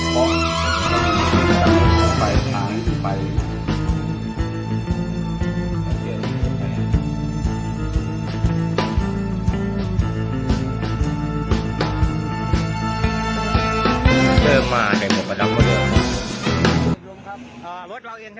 ก่อนจะแสดงตามเขาจะเป็นคนไทยแน่